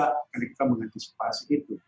kita mengantisipasi itu